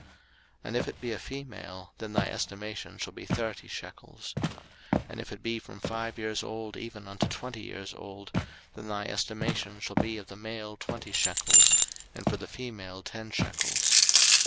03:027:004 And if it be a female, then thy estimation shall be thirty shekels. 03:027:005 And if it be from five years old even unto twenty years old, then thy estimation shall be of the male twenty shekels, and for the female ten shekels.